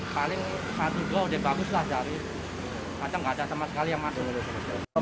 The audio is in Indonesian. paling satu dua udah bagus lah dari kadang gak ada sama sekali yang masuk